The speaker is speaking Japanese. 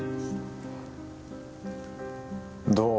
どう？